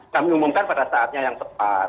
kami umumkan pada saatnya yang tepat